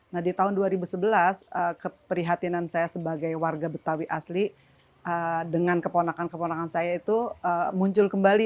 nah di tahun dua ribu sebelas keprihatinan saya sebagai warga betawi asli dengan keponakan keponakan saya itu muncul kembali